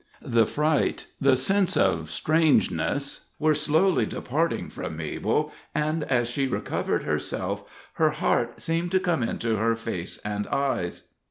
The fright, the sense of strangeness, were slowly departing from Mabel, and as she recovered herself her heart seemed to come into her face and eyes.